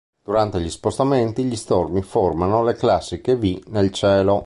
Durante gli spostamenti gli stormi formano le classiche "V" nel cielo.